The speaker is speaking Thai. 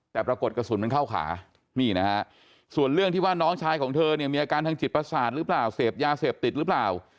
แต่ปรากฏกระสุนมันเข้าขานี่นะฮะส่วนเรื่องที่ว่าน้องชายของเธอเนี่ยมีอาการทางจิตประสาทหรือเปล่าเสพยาเสพติดหรือเปล่า